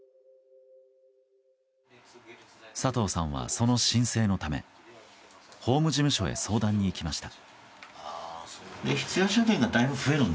佐藤さんは、その申請のため法務事務所へ相談に行きました。